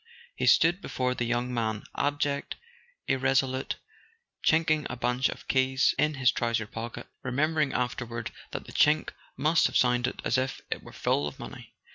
He stood before the young man, abject, irresolute, chinking a bunch of keys in his trouser pocket, and [ 131 ] A SON AT THE FRONT remembering afterward that the chink must have sounded as if it were full of money.